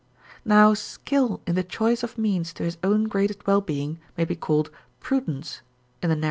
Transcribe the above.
Now skill in the choice of means to his own greatest well being may be called prudence, * in the narrowest sense.